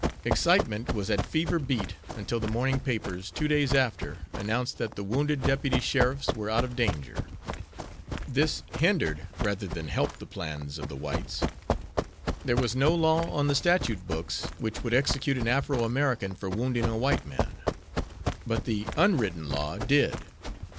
Excitement was at fever beat until the morning papers, two days after, announced that the wounded deputy sheriffs were out of danger. This hindered rather than helped the plans of the whites. There was no law on the statute books which would execute an Afro American for wounding a white man, but the "unwritten law" did.